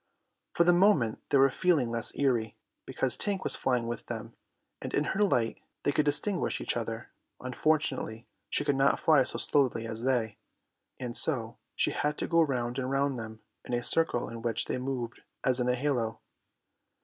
For the moment they were feeling less eerie, because Tink was flying with them, and in her light they could distinguish each other. Unfortunately she could not fly so slowly as they, and so she had to go round and round them in a circle in which they moved as in a halo.